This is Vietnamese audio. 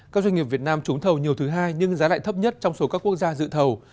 các doanh nghiệp việt nam trúng thầu nhiều thứ hai nhưng giá lại thấp nhất trong số các quốc gia dự thầu